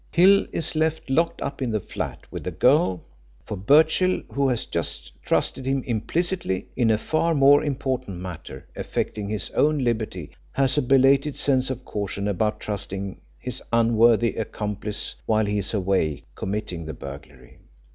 "Hill is left locked up in the flat with the girl; for Birchill, who has just trusted him implicitly in a far more important matter affecting his own liberty, has a belated sense of caution about trusting his unworthy accomplice while he is away committing the burglary.